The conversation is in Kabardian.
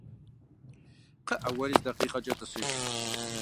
КхъыӀэ, уэри зы дакъикъэкӀэ тӀысыж.